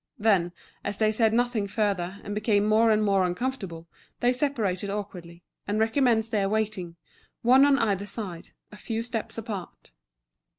Then, as they said nothing further, and became more and more uncomfortable, they separated awkwardly, and recommenced their waiting, one on either side, a few steps apart.